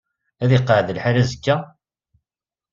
Ad iqeɛɛed lḥal azekka?